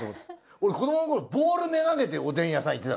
俺子どものころボールめがけておでん屋さん行ってた。